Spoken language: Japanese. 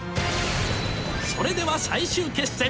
それでは最終決戦。